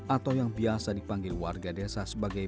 atau yang biasa dipanggil warga desa sebagai